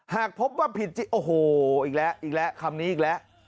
หากพบว่าผิดโอ้โหอีกแล้วอีกแล้วคำนี้อีกแล้ว